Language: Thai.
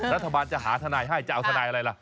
รัฐบาลจะหาทนายให้จะเอาทนายอะไรล่ะ